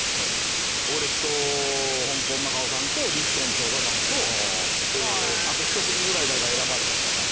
俺とホンコン・マカオさんとリットン調査団とあと１組ぐらい誰か選ばれたんちゃうかな？